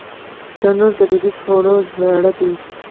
تنور د دودیزو خوړو زړه دی